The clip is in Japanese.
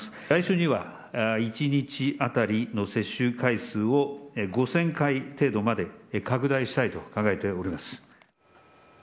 来週には、１日当たりの接種回数を、５０００回程度まで拡大したいと考えております。